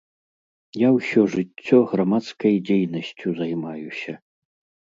Я ўсё жыццё грамадскай дзейнасцю займаюся.